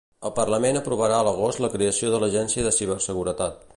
El Parlament aprovarà a l'agost la creació de la l'Agència de Ciberseguretat.